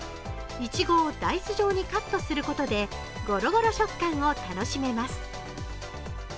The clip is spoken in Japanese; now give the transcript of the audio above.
いちごをダイス状にカットすることでゴロゴロ食感を楽しめます。